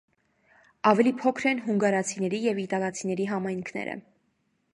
Ավելի փոքր են հունգարացիների ու իտալացիների համայնքները։